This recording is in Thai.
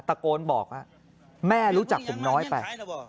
ตะโกนบอกแม่รู้จักผมน้อยไป